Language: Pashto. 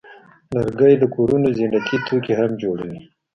لرګی د کورونو زینتي توکي هم جوړوي.